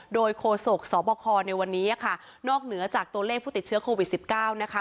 โดยโฆษกสบคในวันนี้ค่ะนอกเหนือจากตัวเลขผู้ติดเชื้อโควิด๑๙นะคะ